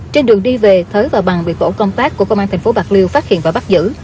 trên đường đi về thới và bằng bị tổ công tác của công an tp bạc liêu phát hiện và bắt giữ